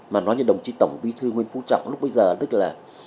mà nói như đồng chí tổng bí thư nguyễn phú trọng lúc bây giờ tức là